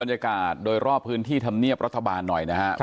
บรรยากาศโดยรอบพื้นที่ธรรมเนียบรัฐบาลหน่อยนะครับ